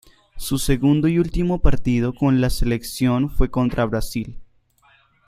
Su segundo y último partido con la selección fue contra Brasil.